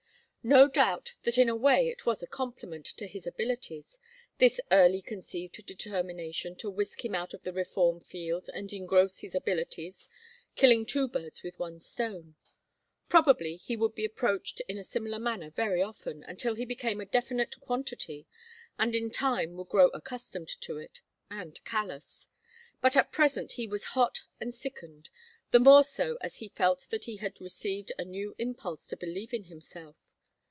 No doubt that in a way it was a compliment to his abilities, this early conceived determination to whisk him out of the reform field and engross his abilities, killing two birds with one stone. Probably he would be approached in a similar manner very often, until he became a definite quantity, and in time would grow accustomed to it; and callous. But at present he was hot and sickened, the more so as he felt that he had received a new impulse to believe in himself.